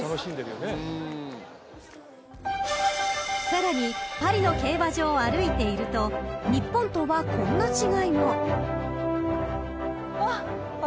［さらにパリの競馬場を歩いていると日本とはこんな違いも］